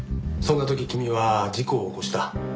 そんな時君は事故を起こした。